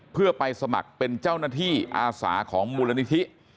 เพื่อไปสมัครเป็นเจ้าหน้าที่อาสาของมูลนิธิ